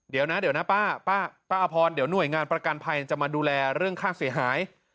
เดี๋ยวนะเดี๋ยวนะป้าอพรเดี๋ยวหน่วยงานประกันภัยจะมาดูแลเรื่องค่าเสียหาย